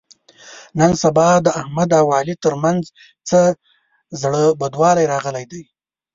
نن سبا د احمد او علي تر منځ څه زړه بدوالی راغلی دی.